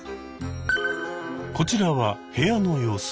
こちらは部屋の様子。